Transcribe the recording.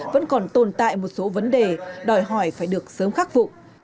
vẫn còn tồn tại một số vấn đề đòi hỏi phải được sớm khắc phục